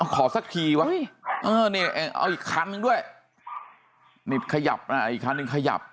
ขอสักทีวะเออนี่เอาอีกคันหนึ่งด้วยนี่ขยับอ่ะอีกคันหนึ่งขยับ